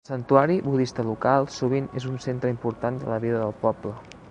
El santuari budista local sovint és un centre important de la vida del poble.